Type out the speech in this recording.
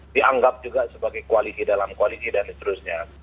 dianggap juga sebagai kualiti dalam kualiti dan seterusnya